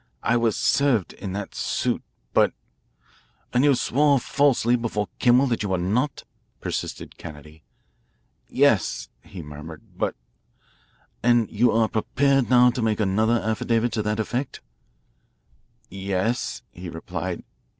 I was served in that suit. But " "And you swore falsely before Kimmel that you were not?" persisted Kennedy. "Yes," he murmured. "But " "And you are prepared now to make another affidavit to that effect?" "Yes," he replied.